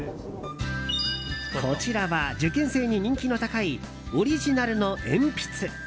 こちらは受験生に人気の高いオリジナルの鉛筆。